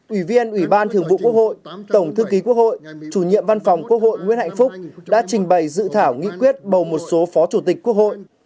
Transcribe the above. ủy viên ủy ban thường vụ quốc hội tổng thư ký quốc hội chủ nhiệm văn phòng quốc hội nguyễn hạnh phúc đã trình bày dự thảo nghị quyết bầu một số phó chủ tịch quốc hội